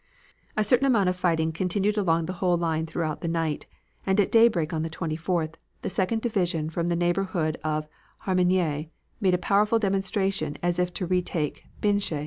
"A certain amount of fighting continued along the whole line throughout the night and at daybreak on the 24th the Second Division from the neighborhood of Harmignies made a powerful demonstration as if to retake Binche.